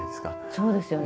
そうですよね。